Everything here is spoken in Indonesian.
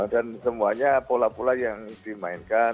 dan semuanya pola pola yang dimainkan